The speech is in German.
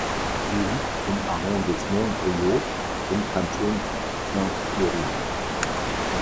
Sie liegt im Arrondissement Brioude im Kanton Sainte-Florine.